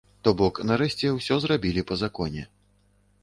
То бок, нарэшце ўсё зрабілі па законе.